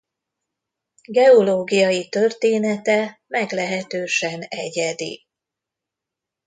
Geológiai története meglehetősen egyedi.